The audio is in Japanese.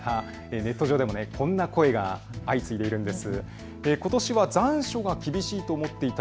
ネット上でもこんな声が相次いでいるんです。